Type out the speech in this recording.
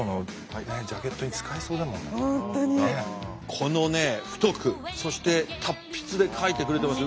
このね太くそして達筆で書いてくれてますよ